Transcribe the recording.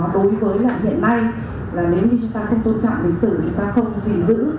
đối với hiện nay là nếu như chúng ta không tôn trọng lịch sử chúng ta không gì giữ